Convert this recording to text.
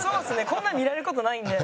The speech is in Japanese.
こんなに見られる事ないんで。